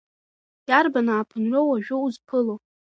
Иарбан ааԥынроу уажәы узԥыло?